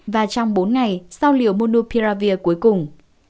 và trong bốn ngày sau liều monopiravir cuối cùng